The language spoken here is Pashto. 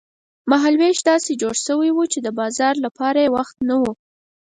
مهال وېش داسې جوړ شوی و چې د بازار لپاره یې وخت نه و.